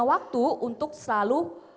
waktu untuk selalu